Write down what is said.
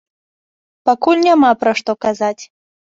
Пакуль няма пра што казаць.